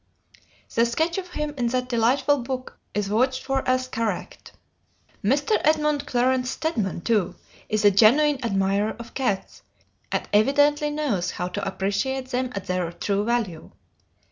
'" The sketch of him in that delightful book is vouched for as correct. Mr. Edmund Clarence Stedman, too, is a genuine admirer of cats and evidently knows how to appreciate them at their true value.